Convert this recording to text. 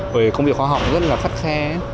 vì công việc khoa học rất là phát xe